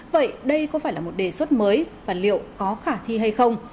vậy đây có phải là một đề xuất mới và liệu có khả thi hay không